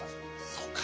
そうか。